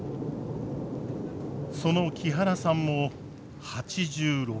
その木原さんも８６歳。